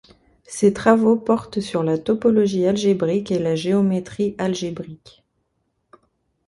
Ses travaux portent sur la topologie algébrique et la géométrie algébrique.